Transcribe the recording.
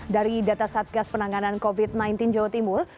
dari data satgas penanganan covid sembilan belas jawa timur